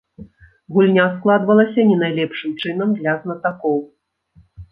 Гульня складвалася не найлепшым чынам для знатакоў.